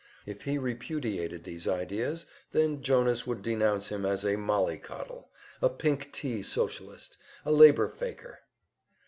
If he repudiated these ideas, then Jonas would denounce him as a "mollycoddle," a "pink tea Socialist," a "labor faker."